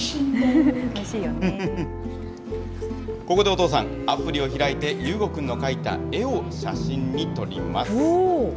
ここでお父さん、アプリを開いて、ゆうごくんの描いた絵を写真に撮ります。